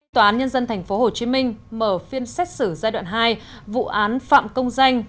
tòa án nhân dân tp hcm mở phiên xét xử giai đoạn hai vụ án phạm công danh